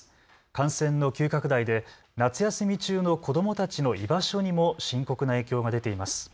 感染の急拡大で夏休み中の子どもたちの居場所にも深刻な影響が出ています。